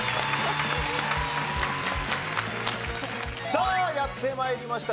さあやってまいりました